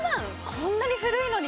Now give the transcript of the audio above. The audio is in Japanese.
こんなに古いのに？